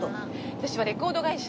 私はレコード会社。